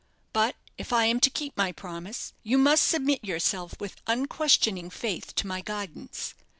But if I am to keep my promise, you must submit yourself with unquestioning faith to my guidance.